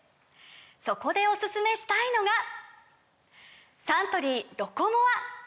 そこでおすすめしたいのがサントリー「ロコモア」！